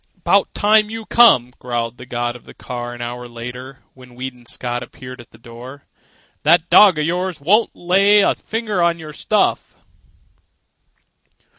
"'Bout time you come," growled the god of the car, an hour later, when Weedon Scott appeared at the door. "That dog of yourn won't let me lay a finger on your stuff."